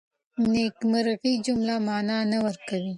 نيمګړې جمله مانا نه ورکوي.